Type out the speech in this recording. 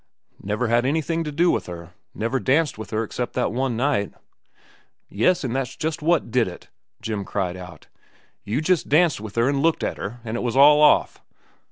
"Never had anything to do with her. Never danced with her except that one night." "Yes, an' that's just what did it," Jim cried out. "You just danced with her an' looked at her, an' it was all off.